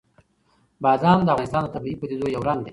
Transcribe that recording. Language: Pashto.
بادام د افغانستان د طبیعي پدیدو یو رنګ دی.